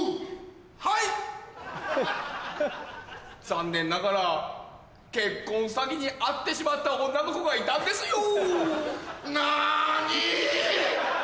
残念ながら結婚詐欺に遭ってしまった女の子がいたんですよ。